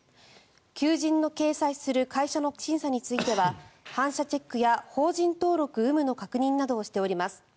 求人を掲載する会社の審査については反社チェックや法人登録有無の確認などをしております。